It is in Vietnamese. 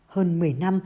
hơn một mươi năm